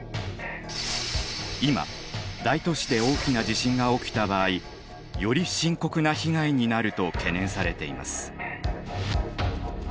今大都市で大きな地震が起きた場合より深刻な被害になると懸念されています。